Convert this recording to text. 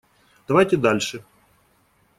Давайте дальше.